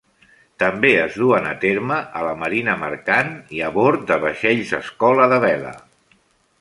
També es duen a terme a la marina mercant i a bord de vaixells escola de vela.